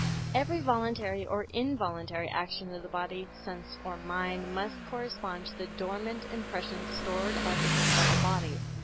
Every voluntary or involuntary action of the body, sense or mind must correspond to the dormant impressions stored up in the subtle body.